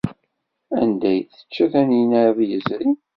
Anda ay tečča Taninna iḍ yezrin?